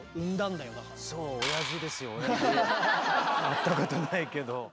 会ったことないけど。